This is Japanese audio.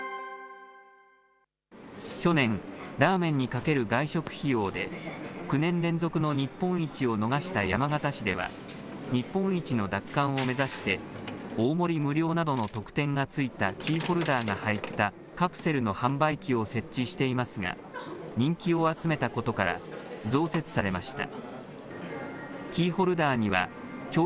去年、ラーメンにかける外食費用で、９年連続の日本一を逃した山形市では、日本一の奪還を目指して大盛り無料などの特典が付いたキーホルダーが入ったカプセルの販売機を設置していますが、人気を集めたことから増設されました。